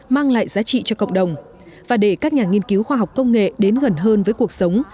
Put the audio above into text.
mang lại giá trị cho cộng đồng và để các nhà nghiên cứu khoa học công nghệ đến gần hơn với cuộc sống